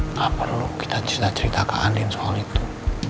nggak perlu kita cerita cerita ke andin soal itu